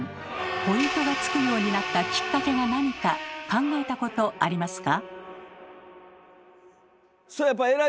ポイントがつくようになったきっかけが何か考えたことありますか？